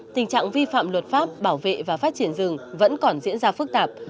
tình trạng vi phạm luật pháp bảo vệ và phát triển rừng vẫn còn diễn ra phức tạp